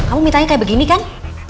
kamu minta kayak begini kan